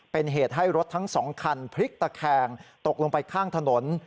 เป็นเหตุให้รถทั้ง๒คันพลิกตะแคงตกลงไปข้างถนน